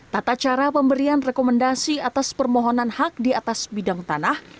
tata cara pemberian rekomendasi atas permohonan hak di atas bidang tanah